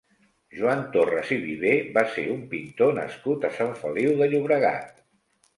Joan Torras i Viver va ser un pintor nascut a Sant Feliu de Llobregat.